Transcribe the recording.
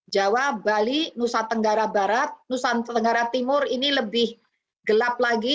jawa bali nusa tenggara barat nusa tenggara timur ini lebih gelap lagi